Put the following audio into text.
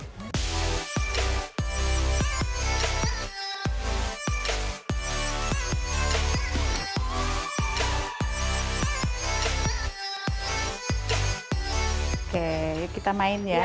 oke yuk kita main ya